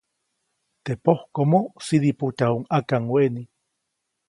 Teʼ pojkomo sidipujtyajuʼuŋ ʼakaŋweʼni.